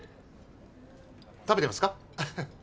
食べてますか？